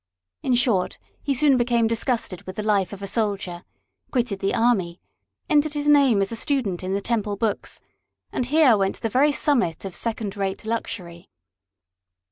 In short, he soon became disgusted with the life of a soldier, quitted the army, entered his name as a student in the Temple books, and here went to the very summit of second rate luxury.